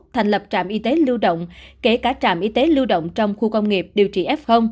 thành lập trạm y tế lưu động kể cả trạm y tế lưu động trong khu công nghiệp điều trị f